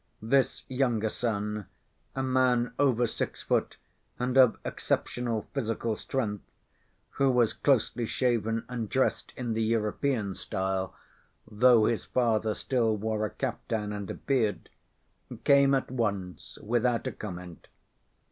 This younger son, a man over six foot and of exceptional physical strength, who was closely‐shaven and dressed in the European style, though his father still wore a kaftan and a beard, came at once without a comment.